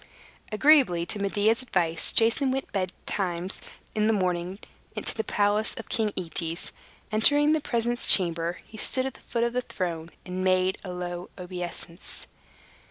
Agreeably to Medea's advice, Jason went betimes in the morning to the palace of King Aetes. Entering the presence chamber, he stood at the foot of the throne, and made a low obeisance.